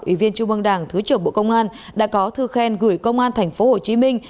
ủy viên trung băng đảng thứ trưởng bộ công an đã có thư khen gửi công an thành phố hồ chí minh